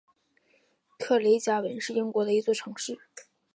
克雷加文是英国的一座城市。